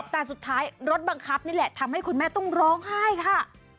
แต่สุดท้ายรถบังคับนี่แหละทำให้คุณแม่ต้องร้องไห้ค่ะ